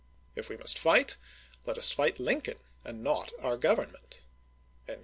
.. If we must fight, let us fight Lincoln and not our Government.